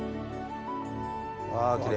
あきれい。